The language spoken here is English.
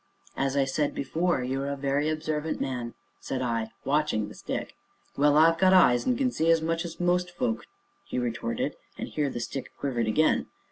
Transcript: "As I said before, you are a very observant man!" said I, watching the stick. "Well, I've got eyes, and can see as much as most folk," he retorted, and here the stick quivered again.